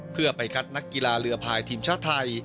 เพื่อไปคัดนักกีฬาเรือพายทีมชาติไทย